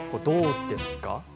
どうですか。